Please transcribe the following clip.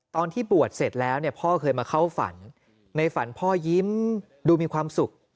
ตอนที่บวชเสร็จแล้วเนี่ยพ่อเคยมาเข้าฝันในฝันพ่อยิ้มดูมีความสุข